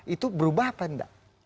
itu berubah atau tidak